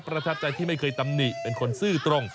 ประทับใจที่ไม่เคยตำหนิเป็นคนซื่อตรง